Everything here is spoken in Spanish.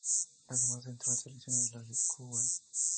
Además entrenó a selecciones, la de Kuwait.